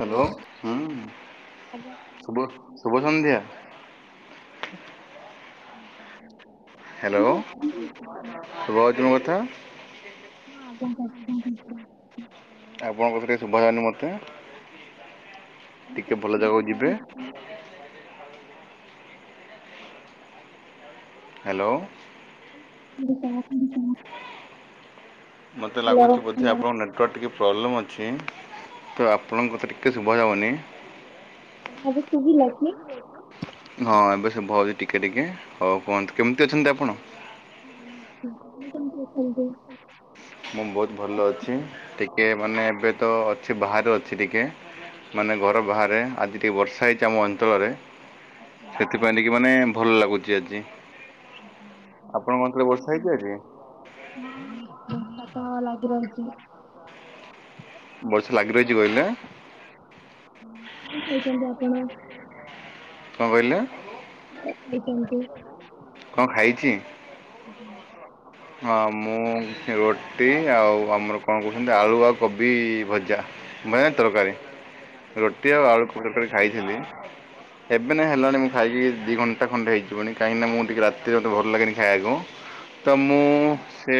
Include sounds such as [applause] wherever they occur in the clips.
Hello ହୁଁ ଆଜ୍ଞା sir ଶୁଭ ନମସ୍କାର। ଶୁଭ ସନ୍ଧ୍ୟା। [unintelligible] ହ୍ୟାଲୋ କେମିତି ଅଛନ୍ତି? ସୁଭାଯାଉଛି ମୋ କଥା? ହଁ ଆଜ୍ଞା [unintelligible] ଆପଣଙ୍କ କଥା ଟିକେ ଶୁଭଯାଉନି ମୋତେ। କେମିତି ଟିକେ ଭଲ ଅଛନ୍ତି ଜାଗାକୁ ସାର୍? ଯିବେ। ହ୍ୟାଲୋ। କେମିତି ସାର୍? ମତେ ହ୍ୟାଲୋ ଲାଗୁଛି ବ ଯେ ଆପଣଙ୍କ ନେଟୱାର୍କ ଟିକେ ପ୍ରୋବ୍ଲେମ୍ ଅଛି ତ ଆପଣଙ୍କ କଥା ଟିକେ ସୁବା ଯାଉନି। [unintelligible] ଶୁବିଲାକି? ହଁ ଏବେ ଶୁଭା ହଉଛି ଟିକେ ଟିକେ ହଉ କୁହନ୍ତୁ କେମିତି ଅଛନ୍ତି ଆପଣ? [unintelligible] ଆପଣ କେମତି ଅଛନ୍ତି? ମୁଁ ବହୁତ ଭଲ ଅଛି ଟିକେ ମାନେ ଏବେ ତ ଅଛି ବାହାରେ ଅଛି ଟିକେ। ମାନେ ଘର ବାହାରେ ଆଜି ଟିକେ ବର୍ଷା ହେଇଛି ଆମ ଅଞ୍ଚଳରେ। ସେଥିପାଇଁ ଟିକେ ମାନେ ଭଲ ଲାଗୁଛି ଆଜି। ଆପଣଙ୍କ [unintelligible] ବର୍ଷା ହେଇଛି ଆଜି? ହଁ ବର୍ଷା ତ ଲାଗିରହିଚି। ବର୍ଷା ଲାଗି ରହିଛି କହିଲେ? ହୁଁ କଣ ଖାଇଛନ୍ତି ଆପଣ? କଣ କହିଲେ? କଣ ଖାଇଛନ୍ତି? କଣ ଖାଇଛି? ଆଜ୍ଞା। ହଁ ମୁଁ ରୁଟି ଆଉ ଆମର କଣ କହୁଛନ୍ତି ଆଳୁ ଆଉ କୋବି ଭଜା। ମେନ ତରକାରୀ ରୁଟି ଆଉ ଆଳୁକୁ ତରକାରି ଖାଇଥିଲି। ଏବେ ନା ହେଲାଣି ମୁଁ ଖାଇକି ଦି ଘଣ୍ଟା ଖଣ୍ଡେ ହେଇଯିବନି କାହିଁକି ନା ମୁଁ ଟିକେ ରାତିରେ ମୁତେ ଭଲ ଲାଗେନି ଖାଇବାକୁ। ତ ମୁଁ ହୁଁ ହୁଁ। ସେ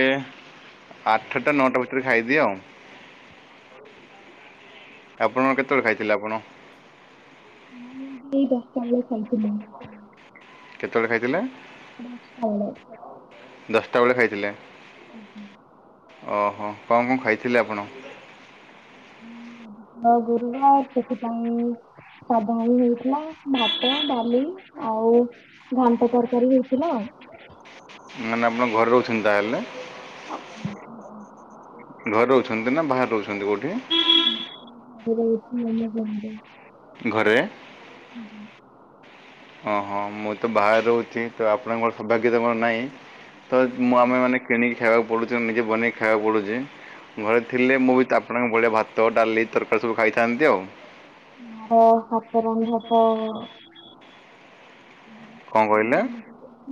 ଆଠଟା ନଅଟା ଭିତରେ ଖାଇଦିଏ ଆଉ। ଆପଣ କେତେବେଳେ ଖାଇଥିଲେ ଆପଣ? ମୁଁ ଏଇ ଦଶଟା ବେଳେ ଖାଇଥିଲି। କେତବେଳେ ଖାଇଥିଲେ? ଦଶଟା ବେଳେ। ଦଶଟା ବେଳେ ଖାଇଥିଲେ। ଆଜ୍ଞା। ଓହୋ କ ମୁ ଖାଇଥିଲି ଆପଣ ତ ଗୁରୁବାର ସେଥିପାଇଁ ସାଧା ହିଁ ହେଇଥିଲା ଭାତ ଡାଲି ଆଉ ଘାଣ୍ଟ ତରକାରୀ ହେଇଥିଲା ଆଉ। ମାନେ ଆପଣ ଘରେ ରହୁଛନ୍ ତାହେଲେ? [inaudible] ଘରେ ରହୁଛନ୍ତି ନା ବାହାରେ ରହୁଛନ୍ତି କୋଉଠି? ନାଇ ଘରେ ରହୁ [unintelligible] ଘରେ? ଓଁ ହଁ ମୁଁ ତ ବାହାରେ ରହୁଛି ତ ଆପଣଙ୍କର ସୌଭାଗ୍ୟତା ମର ନାହିଁ ତ ମୁଁ ଆମେ ମାନେ କିଣିକି ଖାଇବାକୁ ପଡୁଛି ନିଜେ ବନେଇି ଖାଇଆକୁ ପଡୁଛି। ଘରେ ଥିଲେ ମୁଁ ବି ଆପଣଙ୍କ ଭଳିଆ ଭାତ ଡାଲି ତରକାରୀ ସବୁ ଖାଇଥାନ୍ତି ଆଉ। [unintelligible] ହାତ ରନ୍ଧା ତ କ'ଣ କହିଲେ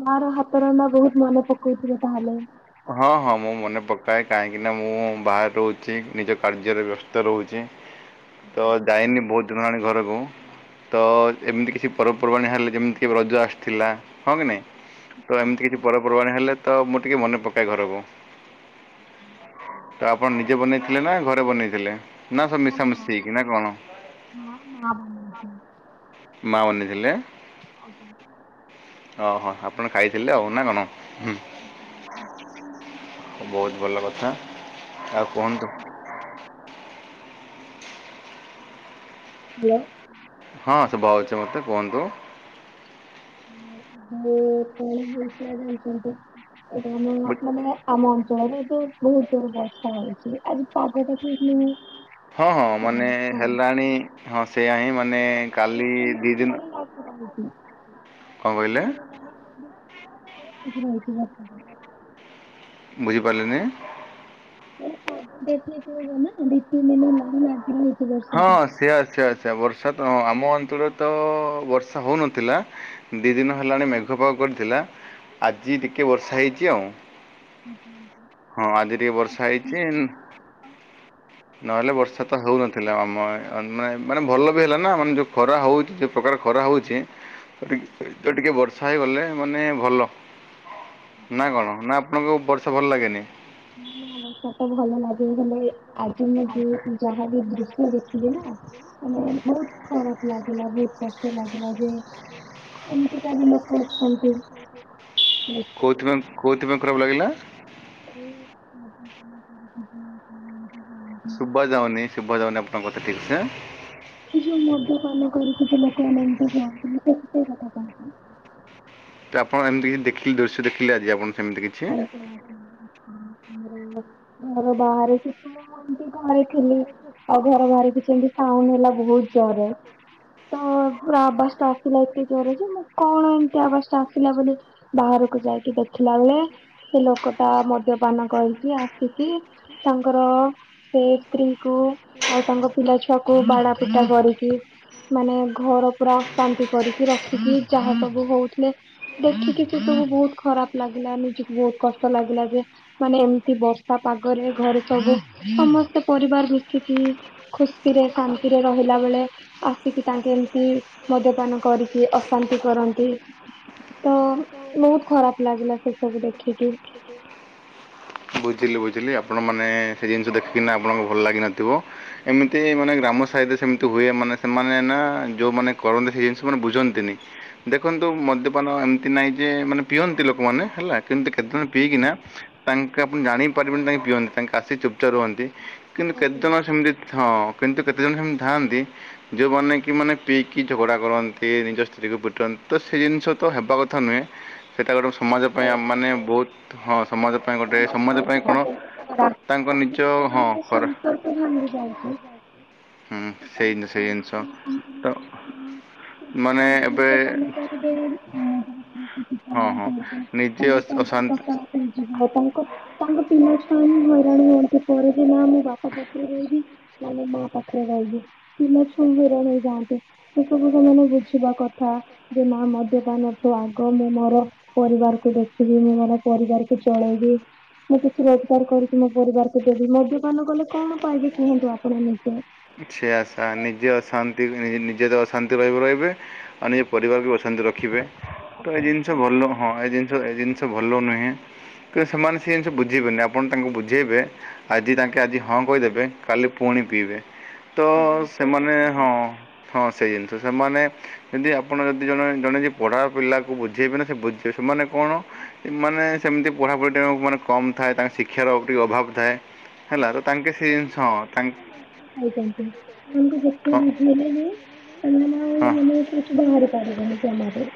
ମା ର ହାତ ରନ୍ଧା ବହୁତ ମନେ ପକଉଥିବେ ତାହେଲେ। ହଁ ହଁ ମୁଁ ମନେ ପକାଏ କାହିଁକି ନା ମୁଁ ବାହାରେ ରହୁଛି ନିଜ କାର୍ଯ୍ୟରେ ବ୍ୟସ୍ତ ରହୁଛି। ତ ଯାଇନି ବହୁଦିନ୍ ହେଲାଣି ଘରକୁ। ତ ଏମିତି କିଛି ପର୍ବପର୍ବାଣି ହେଲେ ଯେମିତି କି ରଜ ଆସିଥିଲା ହଁ କି ନାଇଁ। ତ ଏମିତି କିଛି ପରପର୍ବାଣୀ ହେଲେ ତ ମୁଁ ଟିକେ ମନେ ପକାଏ ଘରକୁ। ତ ଆପଣ ନିଜେ ବନେଇଥିଲେ ନା ଘରେ ବନେଇଥିଲେ ନା ସବୁ ମିଶାମିଶି ହେଇକି ନା କଣ? ମା ମା ବନେଇଥିଲେ। ମା ବନେଇ ଥିଲେ। ଓହୋ ଆପଣ ଖାଇଥିଲେ ଆଉ ନା କଣ ହୁଁ। ବହୁତ ଭଲ କଥା ଆଉ କୁହନ୍ତୁ ହାଲୋ। ହଁ ସୁବାହଉଛି ମୋତେ କୁହନ୍ତୁ। [unintelligible] କଣ ହେଇଥିଲା ଜାଣିଛନ୍ତି ଏଇଟା ଆମ ଅ ବୁଝ- ମାନେ ଆମ ଅଞ୍ଚଳରେ ଯୋଉ ବହୁତ ଜୋର ବର୍ଷା ହଉଛି ଆଜି ପାଗଟା କି ନୁ ହଁ ହଁ ମାନେ ହେଲାଣି ହଁ ସେୟା ହିଁ ମାନେ ଆଉ ଦି କାଲି ତିନି ଦି ଦିନ କଣ କହିଲେ [unintelligible] [unintelligible] ବୁଝିପାରିଲିନି? ଏରା [unintelligible] ଦି ତିନି ଦିନ ହେଲାଣି ଆ ହଁ ସେଆ ସେଆ ସେଆ ବର୍ଷା ତ ଆମ ଅଞ୍ଚଳରେ ତ ବର୍ଷା ହଉନଥିଲା ଦି ଦିନ ହେଲାଣି ମେଘ ପାଗ କରିଥିଲା ଆଜି ଟିକେ ବର୍ଷା ହେଇଛି ଆଉ। ହଁ ଆଜି ଟିକେ ବର୍ଷା ହେଇଛି ନୁ ନହେଲେ ବର୍ଷା ତ ହଉନ ଥିଲା ଆମ ଆ ନାଇଁ ମାନେ ଭଲ ବି ହେଲା ନା ମାନେ ଯୋଉ ଖରା ହଉଛି ଯୋଉ ପ୍ରକାର ଖରା ହଉଛି ତ ଟି ତ ଟିକେ ବର୍ଷା ହେଇଗଲେ ମାନେ ଭଲ। ନା କଣ ନା ଆପଣଙ୍କୁ ବର୍ଷା ଭଲ ଲାଗେନି। ନା ନା ବର୍ଷା ତ ଭଲ ଲାଗେ ହେଲେ ଆଜି ମୁଁ ଯୁ ଯାହାବି ଦୃଶ୍ୟ ଦେଖିଲି ନା ମାନେ ବହୁତ ଖରାପ। ଲାଗିଲା ବହୁତ କଷ୍ଟ ଲାଗିଲା ଯେ ଏମିତିକା ବି ଲୋକ ଅଛନ୍ତି। ଦେଖିକି କୋଉଥିପାଂ କୋଉଥିପାଂ ଖରାପ ଲାଗିଲା। ଓ [unintelligible] ସୁବାଯାଉନି ସୁବାଯାଉନି ଆପଣଙ୍କ କଥା ଠିକ୍ ସେ। ଏଇ ଯୋଉ ମଦ୍ୟପାନ କରିକି ଯୋଉ ଲୋକମାନେ ଏମିତି କହନ୍ତିନି କେତେ କଥା କହନ୍ତି। ତ ଆପଣ ଏମିତି କି ଦେଖିଲେ ଦୃଶ୍ୟ ଦେଖିଲେ ଆଜି ଆପଣ ସେମିତି କି [unintelligible] ଘର ବହାରେ କି କଣ ମୁଁ ଏମତି ଘରେ ଥିଲି। ଆଉ ଘରେ ବାହାରେ କିଛି ଏମିତି ସାଉଣ୍ଡ ହେଲା ବହୁତ ଜୋରରେ। ତ ପୁରା ଆବାସ ଟା ଆସିଲା ଏତେ ଜୋରରେ ଯେ ମୁଁ କଣ ଏମତି ଆବାସ ଟା ଆସିଲା ବୋଲି ବାହାରକୁ ଯାଇକି ଦେଖିଲା ବେଳେ ସେ ଲୋକଟା ମଦ୍ୟପାନ କରିକି ଆସିକି ତାଙ୍କର ସେ ସ୍ତ୍ରୀ କୁ ଆଉ ତାଙ୍କ ପିଲା ଛୁଆ କୁ ବାଡା ପିଟା କରିକି ମାନେ ଘର ପୁରା ଅଶାନ୍ତି କରିକି ରଖିକି ଯାହା ସବୁ ହଉଥିଲେ ଦେଖିକି କି ସବୁ ବହୁତ ଖରାପ ଲାଗିଲା ନିଜକୁ ବହୁତ କଷ୍ଟ ଲାଗିଲା ଯେ ମାନେ ଏମିତି ବର୍ଷା ପାଗରେ ଘରେ ସବୁ ସମସ୍ତେ ପରିବାର ମିଶିକି ଖୁସି ରେ ଶାନ୍ତିରେ ରହିଲା ବେଳେ ଆସିକି ତାଙ୍କେ ଏମିତି ମଦ୍ୟପାନ କରିକି ଅଶାନ୍ତି କରନ୍ତି। ତ ବହୁତ ଖରାପ ଲାଗିଲା ସେ ସବୁ ଦେଖିକି। ବୁଝିଲି, ବୁଝିଲି ଆପଣମାନେ ସେ ଜିନିଷ ଦେଖିକିନା ଆପଣଙ୍କୁ ଭଲ ଲାଗି ନଥିବ। ଏମିତି ମାନେ ଗ୍ରାମ ସାଇଡ ରେ ସେମତି ହୁଏ, ମାନେ ସେମାନେ ନା ଯୋଉମାନେ କରନ୍ତି ସେ ଜିନିଷ ମାନେ ବୁଝନ୍ତିନି। ଦେଖନ୍ତୁ ମଦ୍ୟପାନ ଏମତି ନାଇଁ ଯେ ମାନେ ପିଅନ୍ତି ଲୋକମାନେ ହେଲା ଏମିତି କେତେଜଣ ପିଇକିନା ତାଙ୍କ ଆପଣ ଜାଣି ହିଁ ପାରିବେନି ତାଙ୍କେ ପିଅନ୍ତି, ତାଙ୍କେ ଆସି ଚୁପଚାପ ରୁହନ୍ତି କିନ୍ତୁ ଆଜ୍ଞା। କେତେଜଣ ସେମତି ହଁ। କିନ୍ତୁ କେତେ ଜଣ ସେମତି ଥାଆନ୍ତି। ଯୋଉମାନେ କି ମାନେ ପିଇକି ଝଗଡା କରନ୍ତି, ନିଜ ସ୍ତ୍ରୀକୁ ପିଟନ୍ତି, ତ ସେ ଜିନିଷ ତ ହେବା କଥା ନୁହେଁ। ସେଇଟା ଗୋଟେ ସମାଜ ପାଇଁ ସେଇଆ ମାନେ ବହୁତ, ହଁ ସମାଜ ପାଇଁ ଗୋଟେ ସମାଜ ପାଇଁ ସେଟା କଣ? ବହୁତ ତାଙ୍କ ଖରାପ ଏମିତି କି ନିଜ ହଁ ସେମାନଙ୍କ କର ସମ୍ପର୍କ ଭାଙ୍ଗି ଯାଉଛି। ହୁଁ ତ ତାଙ୍କ ସେଇ ସେଇ ଜିନିଷ ପାଇଁ ତାଙ୍କର ତ ମାନେ ମାନେ ଏବେ ଏବେ [unintelligible] ହଁ ହଁ ନିଜେ ଅଶ ଅଶାନ୍ତ [unintelligible] ଯିବ ତାଙ୍କ ତାଙ୍କ ପିଲା ଛୁଆ ହିଁ ହଇରାଣ ହୁଅନ୍ତି। ପରେ ବି ନା ମୁଁ ବାପା ପାଖରେ ରହିବି ନା ମୋ ମା ପାଖରେ ରହିବି। ପିଲା ଛୁଆ ହଇରାଣ ହେଇଯାଆନ୍ତି, ସେ ସବୁ ସେମାନେ ବୁଝିବା କଥା। ଯେ ମା ମଦ୍ୟପାନଠୁ ଆଗ, ମୁଁ ମୋର ପରିବାରକୁ ଦେଖିବି, ମୁଁ ମୋର ପରିବାରକୁ ପଳେଇବି। ମୁଁ କିଛି ରୋଜଗାର କରୁଛିି ମୋ ପରିବାରକୁ ଦେବି, ମଦ୍ୟପାନ କଲେ କଣ ପାଇବି କୁହନ୍ତୁ ଆପଣ ନିଜେ? ସେୟା ସେୟା ନିଜେ ଅଶା ଟି ନିଜେ ତ ଅଶାନ୍ତି ରହିବେ, ରହିବେ, ଆଉ ନିଜ ପରିବାରକୁ ଅଶାନ୍ତି ରଖିବେ। ତ ଏ ଜିନିଷ ଭଲ ହଁ ଏ ଜିନିଷ ଏ ଜିନିଷ ଭଲ ନୁହେଁ। କିନ୍ତୁ ସେମାନେ ସେ ଜିନଷ ବୁଝିବେନି ଆପଣ ତାଙ୍କୁ ବୁଝେଇବେ ଆଜି ତାଙ୍କେ ଆଜି ହଁ କହିଦେବେ କାଲି ପୁଣି ପିଇବେ। ତ ସେମାନେ ହଁ ହଁ ସେଇ ଜିନଷ ସେମାନେ ଯଦି ଆପଣ ଯଦି ଜଣେ ଜଣେ ଯେ ପଢା ପିଲାକୁ ବୁଝେଇବେ ନା ସେ ବୁଝ ସେମାନେ କଣ? ମାନେ ସେମତି ପଢାପଢ଼ି ଟିକେ ମାନେ କମ ଥାଏ ତାଙ୍କ ଶିକ୍ଷାର ଆଉ ଟିକେ ଅଭାବ ଥାଏ। ହେଲା ତ ତାଙ୍କେ ସେଇ ଜିନଷ ହଁ ତା ଖାଉଛନ୍ତି, ସେମାନଙ୍କୁ ଯେତେ ବୁଝିଲେ ବିି ସେମାନେ ଆ ହଁ। ସେ ସେଠୁ ବାହାରି ପାରିବେନି ଜମା ବି।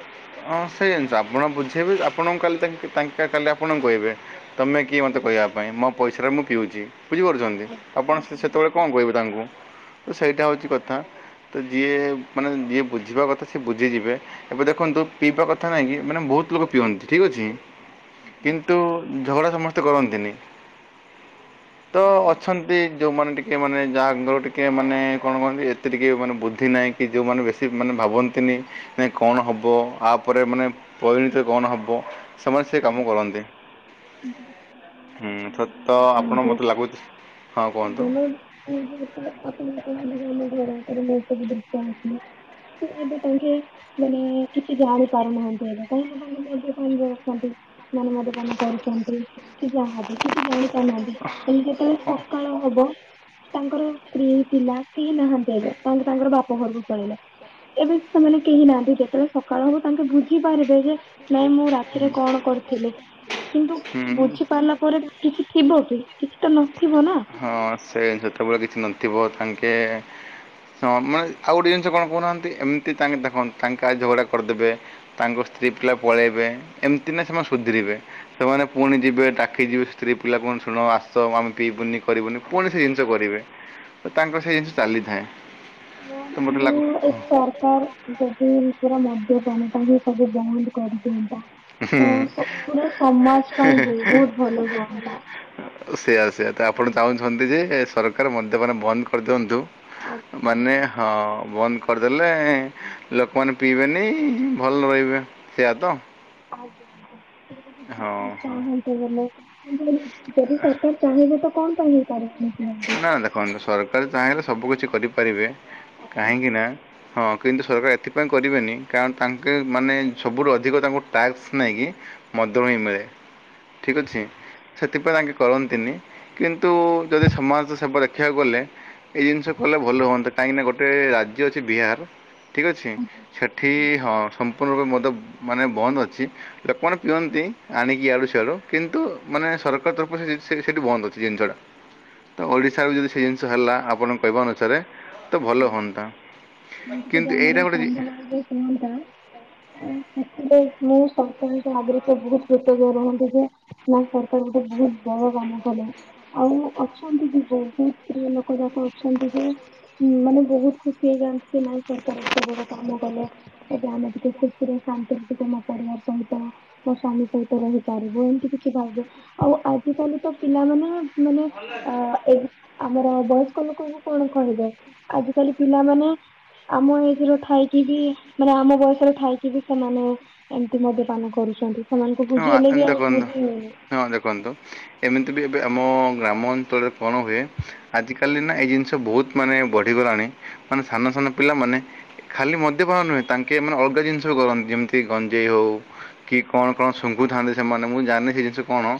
ହଁ ସେଇ ଜିନଷ, ଆପଣ ବୁଝେଇବେ, ଆପଣଙ୍କୁ କାଲି ତାଙ୍କେ ତାଙ୍କେ କାଲି ଆପଣଙ୍କୁ କହିବେ। ତମେ କିଏ ମତେ କହିବା ପାଇଁ, ମୋ ପଇସାରେ ମୁଁ ପିଉଛି ବୁଝିପାରୁଛନ୍ତି। ଆପଣ ସେତେବେଳେ କଣ ଆପଣଙ୍କୁ କହିବେ ତାଙ୍କୁ? ତ ସେଇଟା ହଉଛି କଥା। ତ ଯିଏ ମାନେ ଯିଏ ବୁଝିବା କଥା, ସିଏ ବୁଝିଯିବେ ଏବେ ଦେଖନ୍ତୁ ପିଇବା କଥା ନାହିଁ କି, ମାନେ ବହୁତ ଲୋକ ପିଅନ୍ତି, ଠିକ୍ ଅଛି, କିନ୍ତୁ ଝଗଡ଼ା ସମସ୍ତେ କରନ୍ତିନି ତ ଅଛନ୍ ନ୍ତି ଯୋଉମାନେ ଟିକେ,, ମାନେ ଯାହାଙ୍କର ଟିକେ ମାନେ କଣ କହନ୍ତି ଏତେ ଟିକେ ମାନେ ବୁଦ୍ଧି ନାହିଁ କି ଯେଉଁମାନେ ବେଶୀ ମାନେ ଭାବନ୍ତିନି କଣ ହବ? ଆ ପରେ ମାନେ ପରିଣିତି କଣ ହବ ସେମାନେ ସେ କାମ କରନ୍ତି। ହୁଁ ସତ ଆପଣ ମତେ ଲାଗୁଛି ହଁ କୁହନ୍ତୁ ଆଗଣ ନିଜେ ଯେତେବେଳେ ଆପଣଙ୍କୁ କହିବି କି ଆମ ଘର ଆଗରେ ମୁଁ ଏ ସବୁ ଦୃଶ୍ୟ ଦେଖିଲି। ଏବେ ତାଙ୍କେ ମାନେ କିଛି ଜାଣି ପାରୁନାହାନ୍ତି ହେଲେ କହିଁକି ତାଙ୍କ ମଦ୍ୟପାନର ଅଛନ୍ତି? ମାନେ ମଦ୍ୟପାନ କରୁଛନ୍ତି କି ଯାହାବି କିଛି ଜାଣି ପାରୁନାହାନ୍ତି ହେଲେ ଯେତେବେଳେ ହଁ ସ ଏବଂ ତାଙ୍କର ସ୍ତ୍ରୀ ପିଲା କେହି ନାହାନ୍ତି ଏବେ ତାଙ୍କ ତାଙ୍କର ବାପ ଘରକୁ ପଳେଇଲେ। ଏବେ ସେମାନେ କେହି ନାହାନ୍ତି ଯେତେବେଳେ ସକାଳ ହବ ତାଙ୍କେ ବୁଝିପାରିବେ ଯେ ନାଇଁ ମୁଁ ରା ତିରେ କଣ କରିଥିଲେ? କିନ୍ତୁ ହୁଁ ବୁଝି ପାରିଲା ପରେ କିଛି ଥିବ କି କିଛି ତ ନଥିବ ନା। ହଁ ସେ ସେତେବେଳେ କିଛି ନଥିବ ତାଙ୍କେ ହଁ ମାନେ ଆଉ ଗୋଟେ ଜିନଷ କଣ କହୁନାହାଁନ୍ତି ଏମିତି ତାଙ୍କେ ଦେଖନ୍ତୁ ତାଙ୍କେ ଆଜି ଝଗଡ଼ା କରିଦେବେ। ତାଙ୍କ ସ୍ତ୍ରୀ ପିଲା ପଳେଇବେ ଏମିତି ନା ସେମାନେ ସୁଧିରିବେ। ସେମାନେ ପୁଣି ଯିବେ ଡାକି ଯିବେ ସ୍ତ୍ରୀ ପିଲା କଣ ଶୁଣ ଆ ତ ଆମେ ପିଇବୁନି କରିବୁନି ପୁଣି ସେ ଆଜ୍ଞା ଜିନିଷ ଆଜ୍ଞା। କରିବେ ତାଙ୍କର ସେଇ ଜିନିଷ ଚାଲିଥାଏ। ହ ତ ମୋତେ ମୁଁ ଲାଗୁ ଏକ ସରକାର ଯଦି ମଦ୍ୟପାନ ପାଇଁ ଆଗେ ବନ୍ଦ କରିଦିଅନ୍ତା। ତ ସବୁର ସମାଜ ପାଇଁ ବହୁତ ଭଲ ହୁଅନ୍ତା। ସେଇୟା ସେଆ ତ ଆପଣ ଚାହୁଁଛନ୍ତି ଯେ ସରକାର ମଦୂପାନ ବନ୍ଦ କରିଦିଅନ୍ତୁ। ଆଜ୍ଞା ମାନେ ଆଜ୍ଞା ହଁ ବନ୍ଦ କରିଦେଲେ ଲୋକମାନେ ପିଇବେନି ଭଲ ରହିବେ ସେଇଆ ତ ଆଜ୍ଞା ଆଜ୍ଞା। ଯ ହଁ ହଁ ସରକାର ଯଦି ସରକାର ଚାହିଁବେ ତ କଣ ପାଇଁ ପରତ୍ନୋକୁନ୍ତ [inaudible] ନା ଦେଖନ୍ତୁ ସରକାର ଚାହିଁଲେ ସବୁ କିଛି କରିପାରିବେ ଆଜ୍ଞା। କାହିଁକି ନା ହଁ କିନ୍ତୁ ସରକାର ଏଥିପାଇଁ କରିବେନି କାରଣ ତାଙ୍କେ ମାନେ ସବୁଠୁ ଅଧିକ ତାଙ୍କୁ ଟାକ୍ସ ନାହିଁ କି ମଦରୁ ହିଁ ମିଳେ ଠିକ ଅଛି ସେଥିପାଇଁ ତାଙ୍କେ କରନ୍ତିନି କିନ୍ତୁ ଯଦି ସମାଜ ସେବା ଦେଖିବାକୁ ଗଲେ ଏଇ ଜିନିଷ କଲେ ଭଲ ହୁଅନ୍ତା। କାହିଁକି ନା ଗୋଟେ ରାଜ୍ୟ ଅଛି ବିହାର ଠିକ ଅଛି। ସେଠି ହଁ ସମ୍ପୂର୍ଣ୍ଣ ରୂପେ ମଦ ମାନେ ବନ୍ଦ ଅଛି। ଲୋକମାନେ ପିଅନ୍ତି ଆଣିକି ଇଆଡୁ ସିଆଡୁ କିନ୍ତୁ ମାନେ ସରକାର ତରଫରୁ ସେ ସେଠି ବନ୍ଦ ଅଛି ଜିନିଷ ଟା। ତ ଓଡ଼ିଶାରେ ବି ଯଦି ସେଇ ଜିନିଷ ସେମିତି ହେଲା ଯଦି ଆମର ଆପଣଙ୍କ କହିବା ଏଇ ଅନୁସାରେ ତ ଭଲ ହୁଅନ୍ତା। କିନ୍ତୁ ଏଇଟା ଗୋଟେ ଜି କଣ ଟା ସେଥିପାଇଁ ମୁଁ ସବୁବେଳେ ତା ଆଗରେ ତ ବହୁତ କୃତଜ୍ଞ ରୁହନ୍ତି ଯେ। ନା ସରକାର ଗୋଟେ ବହୁତ ବଡ କାମ କଲେ ଆଉ ଅଛନ୍ତି କି ସ୍ତ୍ରୀ ଲୋକ ଯା କରୁଛନ୍ତି ଯେ ମାନେ ବହୁତ ଖୁସି ହେଇଯାଆନ୍ତି। କି ନାଇ ସରକାର ଏତେ ବଡ କାମ କଲେ ଏବେ ଆମେ ଟିକେ ଖୁସିରେ ଶାନ୍ତିରେ ଟିକେ ଆମ ପରିବାର ଚାହୁଁ। ତ ମୋ ସ୍ବାମୀ ମୀ ସହିତ ରହିପାରିବୁ ଏମତି କିଛି ଭାବିବେ ଆଉ ଆଜିିକାଲି ତ ପିଲାମାନେ ମାନେ ଆ ଏଇ ଆମର ବୟସ୍କ ଲୋକଙ୍କୁ କଣ କହିବେ ଆଜିିକାଲି ପିଲାମାନେ ଆମ ଏଜ ର ଥାଇକି ବି ମାନେ ଆମ ବୟସର ଥାଇକି କି ବି ସେମାନେ ଏମତି ମଦ୍ୟ ପାନ କରୁଛନ୍ତି ସେମାନଙ୍କୁ ହଁ ବୁଝିଇଲେ ଆ ବି ଆଉ ଦେଖନ୍ତୁ ବୁଝି ହଁ ଦେଖନ୍ତୁ ଏମିତି ବି ଏବେ ଆମ ଗ୍ରାମ ଅଞ୍ଚଳରେ କଣ ହୁଏ। ଆଜି କାଲି ନା ଏଇ ଜିନିଷ ବହୁତ ମାନେ ବଢିଗଲାଣି ମାନେ ସାନ ସାନ ପିଲାମାନେ ଖାଲି ମଦ୍ୟପାନ ନୁହେଁ ତାଙ୍କେ ମାନେ ଅଲଗା ଜିନିଷ ବି କରନ୍ତି ଯେମିତି ଗଞ୍ଜେଇ ହଉ କି କଣ କଣ ଶୁଙ୍ଘୁଥାନ୍ତେ ସେମାନେ ମୁଁ ଜାଣିନି ସେ ଜିନିଷ କଣ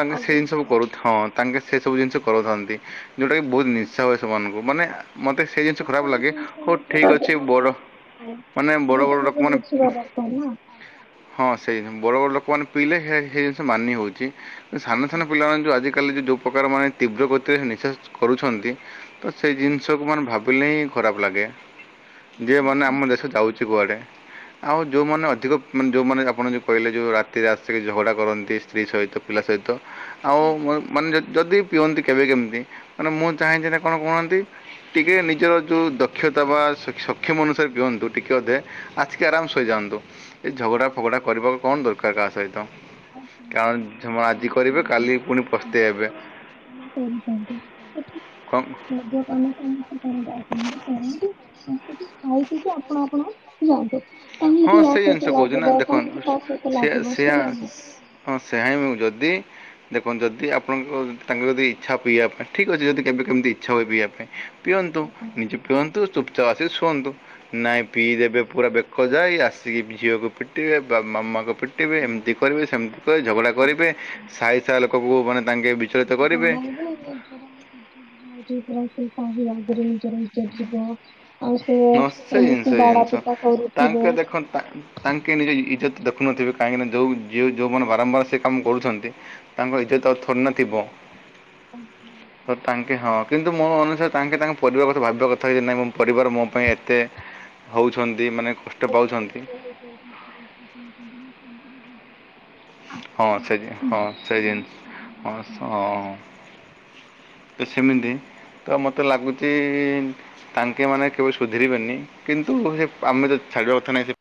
ତାଙ୍କେ ସେ ଆଜ୍ଞା ଜିନିଷ ସବୁ ଆଜ୍ଞା କରୁ ହଁ ତାଙ୍କେ ସେସବୁ ଜିନିଷ କରୁଥାନ୍ତି ଯେଉଁଟାକି ବହୁତ ନିଶା ହୁଏ ସେମାନଙ୍କୁ ମାନେ ମୋତେ ସେଇ ସେ ଜିନିଷ ଖରାପ ସବୁ ଲାଗେ ଜିନିଷ ହଉ ନିଜର ଠିକ୍ ଦେହ ଅଛି ପାଇଁ ବଡ଼ ଠିକ ନାହିଁ। ମାନେ ବଡ଼ ଏବେ ବଡ଼ ଲୋ ସେମାନେ ମନେ ବୁଝିବା ଦରକାର ନା ହଁ ସେଇ ବଡ ବଡ ଲୋକ ମାନ ପିଇଲେ ହେ ହେଇ ଜିନିଷ ମାନି ହଉଛି। ଏ ସାନ ଆଜ୍ଞା। ସାନ ପିଲା ମାନେ ଯୋଉ ଆଜିକାଲି ଯୋଉ ପ୍ରକାର ମାନେ ତୀବ୍ର ଗତିରେ ନିଶା କରୁଛନ୍ତି। ତ ସେଇ ଜିନିଷକୁ ମାନେ ଭାବିଲେ ହିଁ ଖରାପ ଲାଗେ ଯେ ମାନେ ଆମ ଦେଶ ଯାଉଛି କୁଆଡ଼େ। ଆଉ ଯୋଉ ମାନେ ଅଧିକ ମାନେ ଯୋଉ ମାନେ ଆପଣ ଯୋଉ କହିଲେ ଯୋଉ ରାତିରେ ଆସିକି ଝଗଡ଼ା କରନ୍ତି। ସ୍ତ୍ରୀ ସହିତ ପିଲା ସହିତ ଆଉ ମ ମାନେ ଯଦି। ପିଅନ୍ତି କେବେ କେମିତି ମାନେ ମୁଁ ଚାହେଁ ସେଟା କଣ କୁହନ୍ତି। ଟିକେ ନିଜର ଯୋଉ ଦକ୍ଷତା ବା ସ ସକ୍ଷମ ଅନୁସାରେ ପିଅନ୍ତୁ ଟିକେ ଅଧେ। ଆସିକି ଆରାମ ସେ ସୋଇ ଯାଆନ୍ତୁ ଏ ଝଗଡ଼ା ଫଗଡ଼ା କରିବାକୁ କଣ ଦରକାର କାହା ସହିତ। କାରଣ ଝଗଡା ଆଜି କରିବେ କାଲି କି ପୁଣି ଯଦି ପସ୍ତେଇ ହେବେ। ଆପଣ ମଦ୍ୟପାନ କଁ। ମଦ୍ୟ ପାନ। ସମସ୍ତେ କରନ୍ତି ଆସନ୍ତି ଖାଆନ୍ତି ଆସି କି ଖାଇ ପିଇ କି ଆପଣ ଆପଣଙ୍କ ଯାଆନ୍ତୁ। ହଁ କାହିଁକି ଆ ସେଇ ଜିନିଷ ସହିତ କହୁଛି ନା ଲାଗିବା ଦେଖନ୍ତୁ କାହିଁକି ତା ସହିତ ସେ ଲାଗିବା ସେଆ ସେଇଆ ନା। ହଁ ସେଇଆ ହିଁ ମୁଁ ଯଦି। ଦେଖନ୍ତୁ ଯଦି ଆପଣଙ୍କ ତାଙ୍କୁ ଯଦି ଇଚ୍ଛା ପିଇବା ପାଇଁ, ଠିକ୍ ଅଛି ଯଦି କେବେ କେମିତି ଇଚ୍ଛା ହୁଏ ପିଇବା ପାଇଁ। ପିଅନ୍ତୁ ଆଜ୍ଞା ନିଜେ ପିଅନ୍ତୁ ଚୁପଚାପ୍ ଆସିକି ଶୁଅନ୍ତୁ, ନାଇଁ ଆଜ୍ଞା। ପିଇଦେବେ ପୁରା ବେକ କ ଯାଏଁ ଆସିକି ଝିଅକୁ ପିଟିବେ ବା ମାମାଙ୍କୁ ପିଟି ଟିବେ ଏମିତି କରିବେ ସେମିତି କରି ଝଗଡ଼ା କରିବେ, ଜଣେଇବେ ସାହି ସାରା ଲୋକଙ୍କୁ ମାନେ ତାଙ୍କେ। ବିଚଳିତ [unintelligible] କରିବେ ଇଜତ୍ ଯିବ ଆଉ ସିଏ ନିଶ୍ଚୟ ଜିନିଷ ଏମିତି ବାଡା ଜିନିଷ ପିଟା କରୁଥିବ। ତାଙ୍କେ ଦେଖ ତା ତାଙ୍କେ ନିଜ ଇ ଇଜ୍ଜତ ଦେଖୁ‌ନଥିବେ କାହିଁକି ନା ଯୋଉ ଯିଏ ଯୋଉ ମାନେ ବାରମ୍ବାର ସେ କାମ କରୁଛନ୍ତି। ତାଙ୍କ ଇଜ୍ଜତ ଆଉ ଥୋଡିନା ଥିବ। ତ ତାଙ୍କେ ହଁ କିନ୍ତୁ ମୋ ଅନୁସାରେ ତାଙ୍କେ ତାଙ୍କ ପରିବାର କ ଥା ଭାବିବା କଥା କି ନାଇଁ ମୋ ପରିବାର ମୋ ପାଇଁ ଏତେ ହଉଛନ୍ତି ମାନେ କଷ୍ [unintelligible] ହଁ ସେ ଜି ହଁ ସେଜିନ୍ ହଁ କହୁଛନ୍ତି। ସ ହଁ। ତ ସେମିତି ତ ମତେ ଲାଗୁଚି। ତାଙ୍କେ ମାନେ କେବେ ସୁଧୁରି ବେନି କିନ୍ତୁ ସେ ଆମେ ଯଦି ଛାଡିବା କଥା ନାହିଁ।